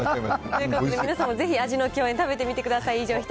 皆さんもぜひ味の饗宴、食べてみてください。